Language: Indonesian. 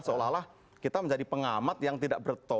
seolah olah kita menjadi pengamat yang tidak bertanggung jawab